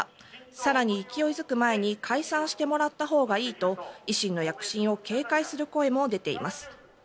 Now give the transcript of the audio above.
更に勢い付く前に解散してもらったほうがいいと維新の躍進を警戒する声も出ています。